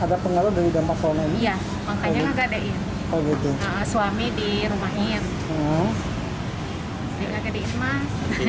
ada pengaruh dari dampak kondisi ya makanya gede suami dirumahin